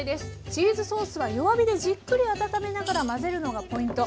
チーズソースは弱火でじっくり温めながら混ぜるのがポイント。